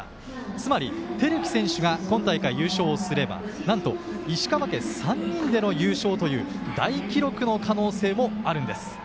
つまり、瑛貴選手が今大会、優勝すれば石川家３人での優勝という大記録の可能性もあるんです。